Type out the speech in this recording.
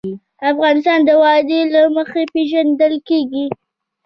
افغانستان د وادي له مخې پېژندل کېږي.